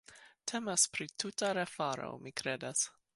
Temas pri tuta refaro, mi kredas.